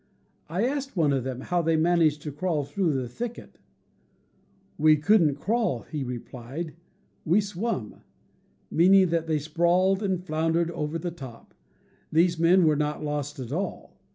I asked one of them how they managed to crawl through the thicket. "We couldn't crawl," he replied, "we swum," meaning that they sprawled and floundered over the top. These men were not lost at all.